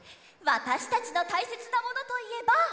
わたしたちのたいせつなものといえば。